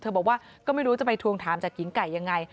บอกว่าก็ไม่รู้จะไปทวงถามจากหญิงไก่ยังไง